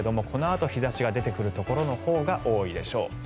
このあと日差しが出てくるところのほうが多いでしょう。